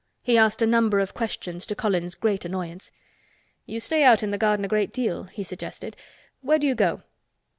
He asked a number of questions, to Colin's great annoyance. "You stay out in the garden a great deal," he suggested. "Where do you go?"